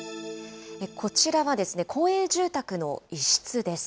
こちらは公営住宅の一室です。